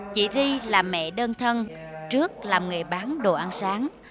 chị ri là mẹ đơn thân trước làm nghề bán đồ ăn sáng